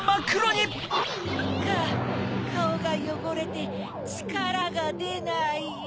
カオがよごれてちからがでない。